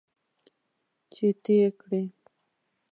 چې ته یې کرې .